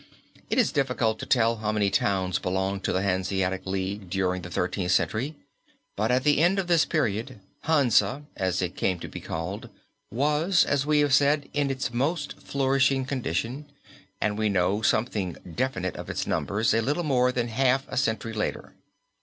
It is difficult to tell how many towns belonged to the Hanseatic League during the Thirteenth Century but at the end of this period, Hansa, as it came to be called, was, as we have said, in its most flourishing condition and we know something definite of its numbers a little more than half a century later.